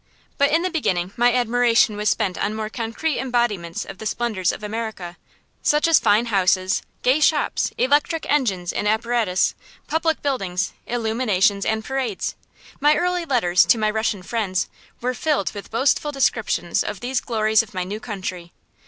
But in the beginning my admiration was spent on more concrete embodiments of the splendors of America; such as fine houses, gay shops, electric engines and apparatus, public buildings, illuminations, and parades. My early letters to my Russian friends were filled with boastful descriptions of these glories of my new country.